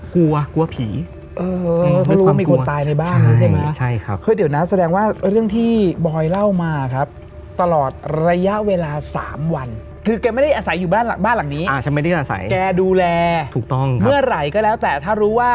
กลัวกลัวผีเออเพราะรู้ว่ามีคนตายในบ้าน